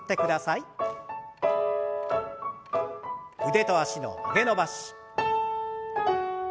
腕と脚の曲げ伸ばし。